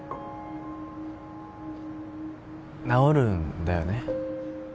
治るんだよね？